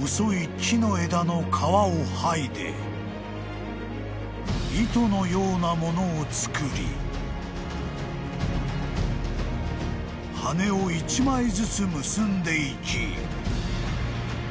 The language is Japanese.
［細い木の枝の皮を剥いで糸のようなものを作り羽根を一枚ずつ結んでいき］